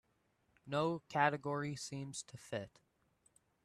No category seems to fit.